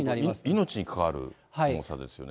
命に関わる重さですよね。